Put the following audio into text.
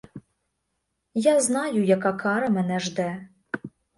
Я знаю, яка кара мене жде.